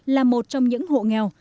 là một trong những hộ nghèo